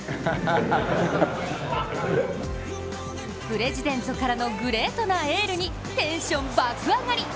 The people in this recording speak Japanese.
プレジデントからのグレイトなエールにテンション爆上がり。